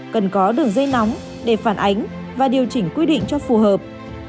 cần có đường dây nóng để phản ánh và điều chỉnh quy định cho phù hợp